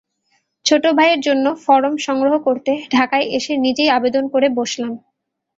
ছোট ভাইয়ের জন্য ফরম সংগ্রহ করতে ঢাকায় এসে নিজেই আবেদন করে বসলাম।